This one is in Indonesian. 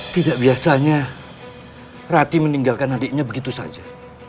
tidak biasanya rati meninggalkan adiknya begitu saja